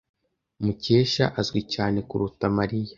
Mukesha azwi cyane kuruta Mariya.